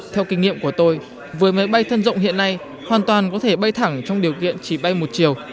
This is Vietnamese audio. theo kinh nghiệm của tôi với máy bay thân rộng hiện nay hoàn toàn có thể bay thẳng trong điều kiện chỉ bay một chiều